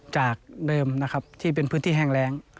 จากเดิมนะครับที่เป็นพื้นที่แห้งแรง